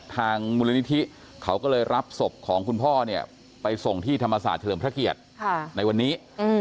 ทางมูลนิธิเขาก็เลยรับศพของคุณพ่อเนี่ยไปส่งที่ธรรมศาสตร์เฉลิมพระเกียรติในวันนี้